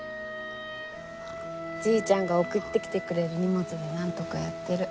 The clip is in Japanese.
じいちゃんが送ってきてくれる荷物でなんとかやってる。